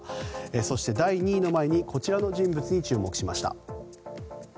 そして第２位の前にこちらの人物に注目しました。